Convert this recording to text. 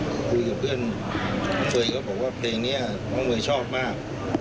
ก็คุยกับเพื่อนเฟย์ก็บอกว่าเพลงนี้น้องเมย์ชอบมาก